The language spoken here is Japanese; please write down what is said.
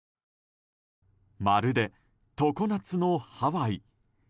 まるで、常夏のハワイ。